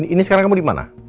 ini sekarang kamu dimana